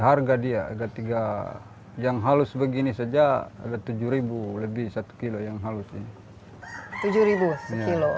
harga dia ada tiga yang halus begini saja ada tujuh ribu lebih satu kilo yang halus ini tujuh ribu kilo